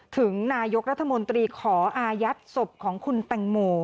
ถึงนายกรัฐมนตรีขออายัดศพของคุณแตงโม